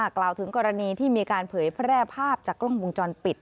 กล่าวถึงกรณีที่มีการเผยแพร่ภาพจากกล้องวงจรปิด